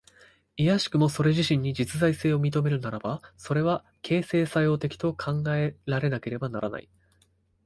いやしくもそれ自身に実在性を認めるならば、それは形成作用的と考えられねばならない。